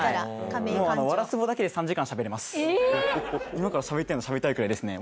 今からしゃべっていいならしゃべりたいくらいですね